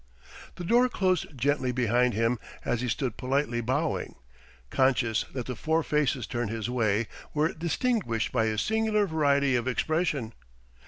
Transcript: The door closed gently behind him as he stood politely bowing, conscious that the four faces turned his way were distinguished by a singular variety of expression.